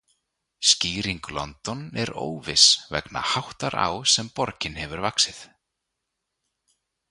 Skýring London er óviss vegna háttar á sem borgin hefur vaxið.